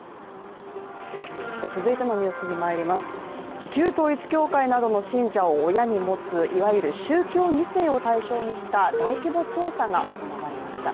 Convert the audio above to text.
続いて、旧統一教会などの信者を親に持ついわゆる宗教２世を対象にした大規模調査が行われました。